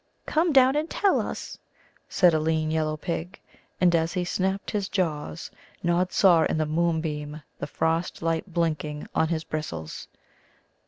"Come down and tell us!" said a lean yellow pig; and as he snapped his jaws Nod saw in the moonbeam the frost light blinking on his bristles.